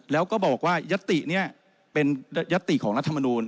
แล้วก็บอกว่ายัตติเนี่ยเป็นยัตติของรัฐมนูล